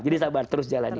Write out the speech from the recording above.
jadi sabar terus jalanin